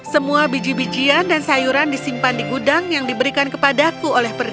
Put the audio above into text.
semua biji bijian dan sayuran disimpan di gudang yang diberikan kepadaku oleh pergi